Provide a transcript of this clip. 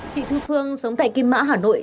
chị thư phương sống tại kim mã hà nội